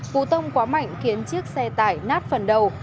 vụ tông quá mạnh khiến chiếc xe tải nát phần đầu